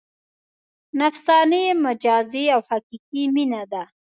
نفساني، مجازي او حقیقي مینه ده.